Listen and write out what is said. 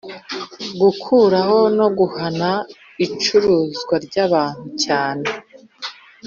gukuraho no guhana icuruzwa ry abantu cyane